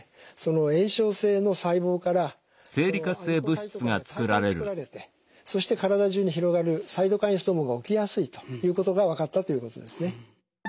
炎症性の細胞からアディポサイトカインが大量に作られてそして体中に広がるサイトカインストームが起きやすいということが分かったということですね。